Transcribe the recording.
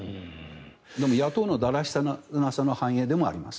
野党のだらしなさの反映でもあります。